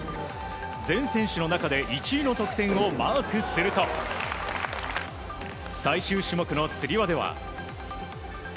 全選手の中で１位の得点をマークすると最終種目のつり輪では。